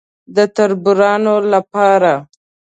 _د تربرونو له پاره.